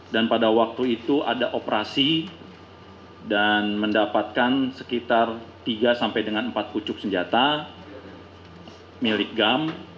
dan pada waktu itu ada operasi dan mendapatkan sekitar tiga sampai dengan empat pucuk senjata milik gam